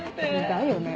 だよね